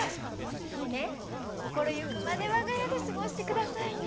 姫心ゆくまでわが家で過ごしてくださいね！